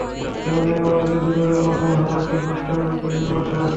কেন জানি আমাদের দুজনের মাথায় হঠাৎ করে দুষ্টুমি বুদ্ধি চেপে বসে।